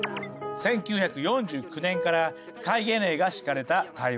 １９４９年から戒厳令が敷かれた台湾。